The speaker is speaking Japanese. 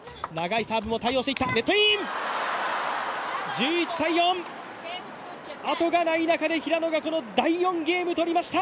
１１−４、あとがない中で平野が第４ゲーム取りました。